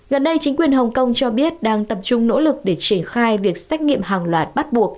gần đây chính quyền hồng kông cho biết đang tập trung nỗ lực để triển khai việc xét nghiệm hàng loạt bắt buộc